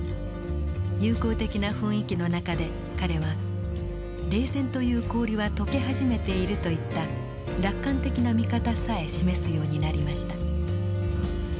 友好的な雰囲気の中で彼は「冷戦という氷は解け始めている」といった楽観的な見方さえ示すようになりました。